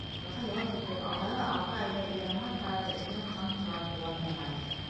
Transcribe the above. Быға яуап итеп, алдағы алты айҙа Иранға ҡарата өҫтәмә санкциялар ҡулланылмаясаҡ.